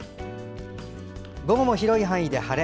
午後も広い範囲で晴れ。